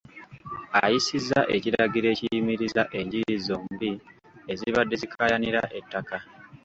Ayisizza ekiragiro ekiyimiriza enjuyi zombi ezibadde zikaayanira ettaka